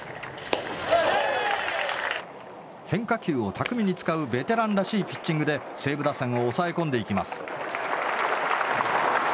変化球を巧みに使うベテランらしいピッチングで西武打線を抑え込んでいきます。